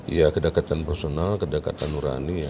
ya kedekatan personal kedekatan urani